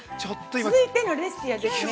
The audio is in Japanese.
◆続いてのレシピはですね。